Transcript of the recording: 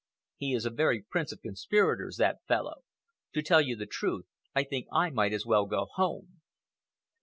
He is a very prince of conspirators, that fellow. To tell you the truth, I think I might as well go home."